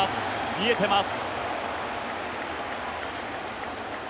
見えてます。